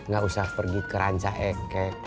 gak usah pergi ke ranca ekek